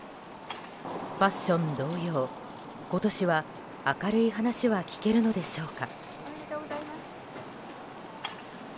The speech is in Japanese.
ファッション同様、今年は明るい話は聞けるのでしょうか。